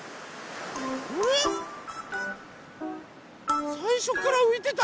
あれっ⁉さいしょからういてた？